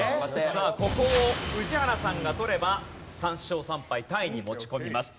さあここを宇治原さんが取れば３勝３敗タイに持ち込みます。